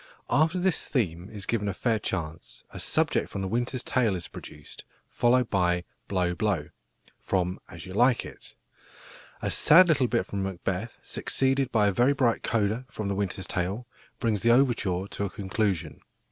After this theme is given a fair chance, a subject from The Winter's Tale is produced, followed by "Blow, blow," from As You Like It. A sad little bit from Macbeth, succeeded by a very bright coda from The Winter's Tale, brings the overture to a conclusion.